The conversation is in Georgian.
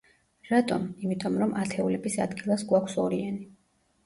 რატომ? იმიტომ რომ ათეულების ადგილას გვაქვს ორიანი.